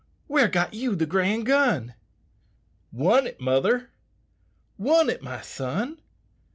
where got you the grand gun?" "Won it, mother!" "Won it, my son?"